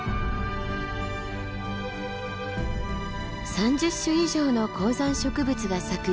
３０種以上の高山植物が咲く